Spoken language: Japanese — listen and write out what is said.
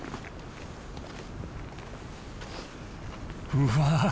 うわ！